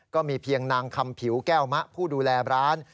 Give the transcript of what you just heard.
ก็มีเพียงนางคำผิวแก้วมะผู้ดูแลร้าน